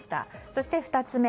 そして、２つ目。